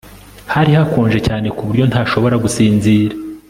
Hari hakonje cyane kuburyo ntashobora gusinzira